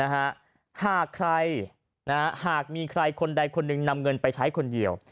หากใครหากมีใครคนใดคนหนึ่งนำเงินไปใช้คนเดียว